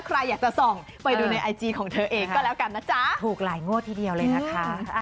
สร้างพระสร้างพระสร้างพระ